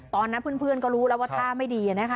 ตอนนั้นเพื่อนก็รู้แล้วว่าท่าไม่ดีนะคะ